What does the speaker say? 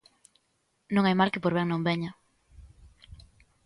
Non hai mal que por ben non veña...